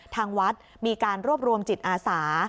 ทางวัดมีการรวบรวมจิตอาสา